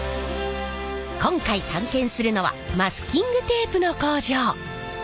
今回探検するのはマスキングテープの工場！